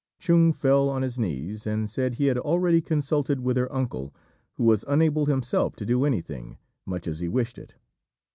Chung fell on his knees, and said he had already consulted with her uncle, who was unable himself to do anything, much as he wished it.